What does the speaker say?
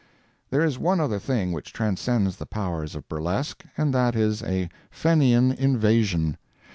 There is one other thing which transcends the powers of burlesque, and that is a Fenian "invasion."